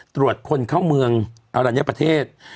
ตรวจคนเข้าเมืองอรัญญประเทศ